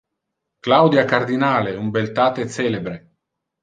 Claudia Cardinale un beltate celebre.